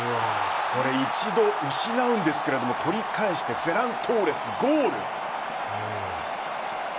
一度、失うんですけれども取り返してフェラントーレス、ゴール。